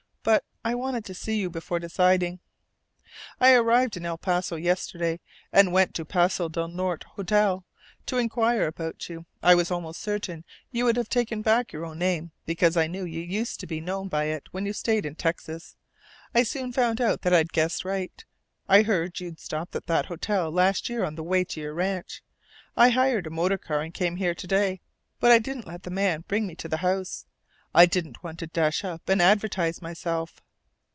But I wanted to see you before deciding. "I arrived in El Paso yesterday, and went to the Paso del Norte Hotel, to inquire about you. I was almost certain you would have taken back your own name, because I knew you used to be known by it when you stayed in Texas. I soon found out that I'd guessed right. I heard you'd stopped at that hotel last year on the way to your ranch. I hired a motor car and came here to day; but I didn't let the man bring me to the house. I didn't want to dash up and advertise myself.